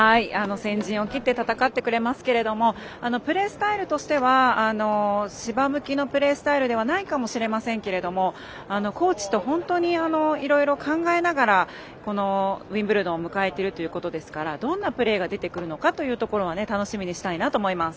先陣を切って戦ってくれますけれどプレースタイルとしては芝向きのプレースタイルではないかもしれませんけれどもコーチと本当にいろいろ考えながらこのウィンブルドンを迎えてるということですからどんなプレーが出てくるのかっていうところは楽しみにしたいなと思います。